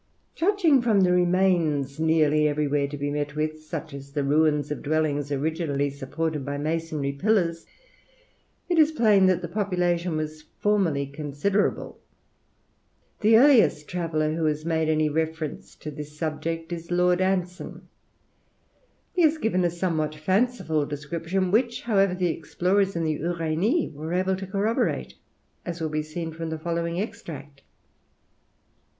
Judging from the remains nearly everywhere to be met with, such as the ruins of dwellings originally supported by masonry pillars, it is plain that the population was formerly considerable. The earliest traveller who has made any reference to this subject is Lord Anson. He has given a somewhat fanciful description, which, however, the explorers in the Uranie were able to corroborate, as will be seen from the following extract.